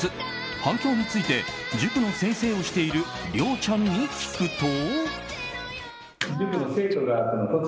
反響について塾の先生をしているりょうちゃんに聞くと。